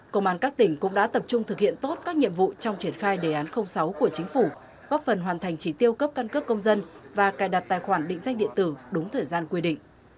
công an các tỉnh cũng đã tập trung thực hiện tốt các nhiệm vụ trong triển khai đề án sáu của chính phủ góp phần hoàn thành trí tiêu cấp căn cước công dân và cài đặt tài khoản định danh điện tử đúng thời gian quy định